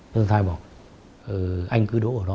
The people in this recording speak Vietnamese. đối tượng thái bảo anh cứ đỗ ở đó